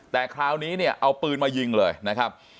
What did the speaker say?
แต่คราวนี้เนี่ยเอาปืนมายิงเลยนะครับ